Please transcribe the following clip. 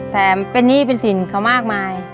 แต่เป็นหนี้เป็นสินเขามากมาย